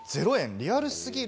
リアル過ぎる？